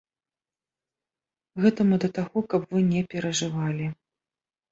Гэта мы да таго, каб вы не перажывалі.